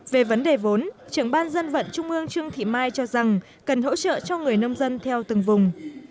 về vấn đề vốn trưởng ban dân vận trung ương trương thị mai cho rằng cần hỗ trợ cho người nông dân theo từng vùng